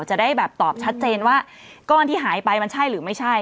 จะได้แบบตอบชัดเจนว่าก้อนที่หายไปมันใช่หรือไม่ใช่